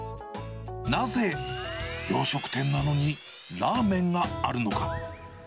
なぜ洋食店なのにラーメンがあるのか？